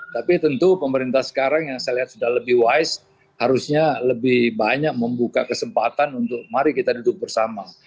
tapi tentu pemerintah sekarang yang saya lihat sudah lebih wise harusnya lebih banyak membuka kesempatan untuk mari kita duduk bersama